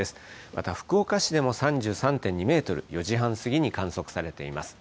また、福岡市でも３３．２メートル、４時半過ぎに観測されています。